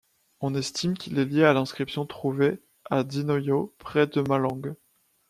On estime qu'il est lié à l'inscription trouvée à Dinoyo près de Malang.